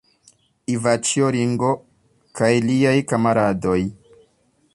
Ivaĉjo Ringo kaj liaj kamaradoj.